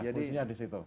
iya kuncinya di situ